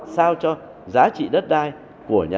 sao cho giá trị đất đai của nhà nước